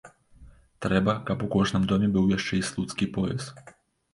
Трэба, каб у кожным доме быў яшчэ і слуцкі пояс.